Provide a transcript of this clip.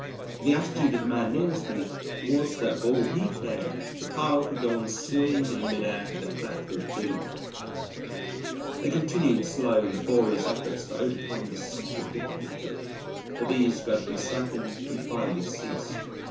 The attitude of the man nearest me was that for all he cared the pile could go on swinging in mid air to the crack of Doom. They continued slow, laborious efforts to overcome the secret difficulty. But these gradually slackened and finally ceased.